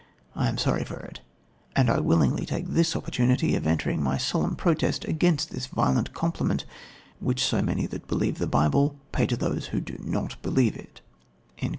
I am sorry for it; and I willingly take this opportunity of entering my solemn protest against this violent compliment which so many that believe the Bible pay to those who do not believe it."